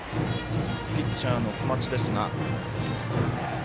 ピッチャーの小松ですが。